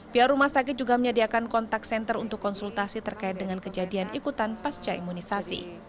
pihak rumah sakit juga menyediakan kontak senter untuk konsultasi terkait dengan kejadian ikutan pasca imunisasi